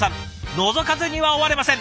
のぞかずには終われません